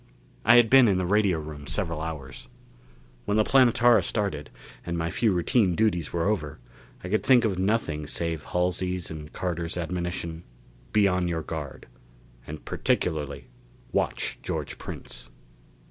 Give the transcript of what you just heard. I had been in the radio room several hours. When the Planetara started, and my few routine duties were over, I could think of nothing save Halsey's and Carter's admonition: "Be on your guard. And particularly watch George Prince."